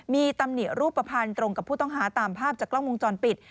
มีตำหนิรูปภัณฑ์ตรงกับผู้ต้องหาตามภาพจากกล้องวงจรปิด